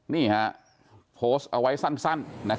นี่ฮะโพสต์เอาไว้สั้น